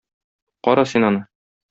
Кара син аны!